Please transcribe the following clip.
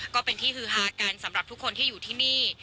ก็เป็นที่ฮือฮากันสำหรับทุกคนที่อยู่ที่นี่